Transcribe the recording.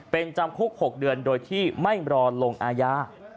เป็นจำคุก๖เดือนโดยที่ไม่รอลงอาญา